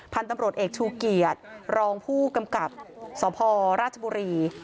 พันธุ์ตำรวจเอกชูเกียจรองผู้กำกับสพราชบุรี